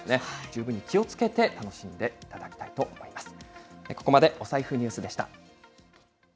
十分に気をつけて楽しんでいただきたいと思います。